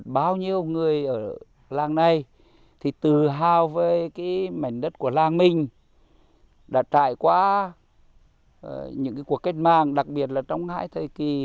bao nhiêu người ở làng này thì tự hào về cái mảnh đất của làng mình đã trải qua những cuộc cách mạng đặc biệt là trong hai thời kỳ